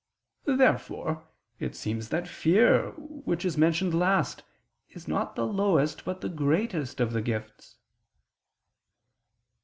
Therefore it seems that fear, which is mentioned last, is not the lowest but the greatest of the gifts.